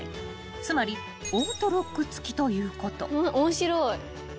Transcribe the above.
［つまりオートロック付きということ］